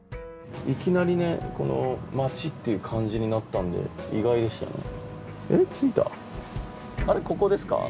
いきなりねこの街っていう感じになったんで意外でしたね。